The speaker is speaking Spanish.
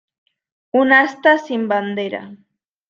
Un asta sin bandera.